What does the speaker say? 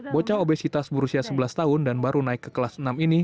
bocah obesitas berusia sebelas tahun dan baru naik ke kelas enam ini